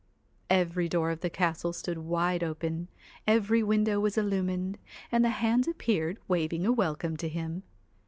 Every door of the castle stood wide open, every window was illumined, and the hands appeared waving a welcome to him.